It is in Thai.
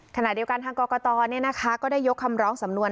ขณะเดียวกันทางกรกตก็ได้ยกคำร้องสำนวน